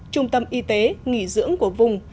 trung tâm y tế nghỉ dưỡng của vùng